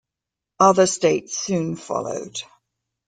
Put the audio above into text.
Other states soon followed.